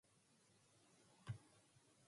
Jonathan Swift wrote mockingly about this plan.